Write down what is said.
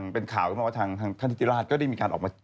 เป็นข่าวว่าทางท่านิจิราชก็ได้มีการออกมา